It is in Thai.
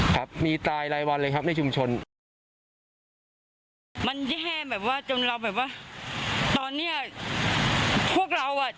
ครับมีตายรายวันเลยครับในชุมชนมันแย่แบบว่าจนเราแบบว่าตอนเนี้ยพวกเราอ่ะ